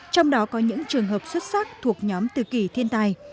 trong đó có những trường hợp xuất sắc thuộc nhóm tự kỷ thiên tài